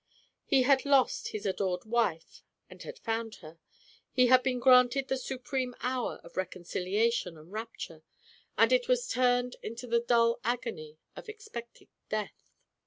He had lost his adored wife and had found her ; he had been granted the supreme hour of reconcili ation and rapture, and it was turned into the dull agony of expected death.